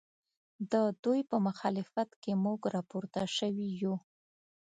ددوی په مخالفت کې موږ راپورته شوي یو